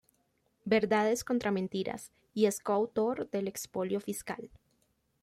Verdades contra mentiras", y es coautor de "El expolio fiscal.